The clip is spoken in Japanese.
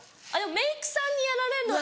メークさんにやられるのは。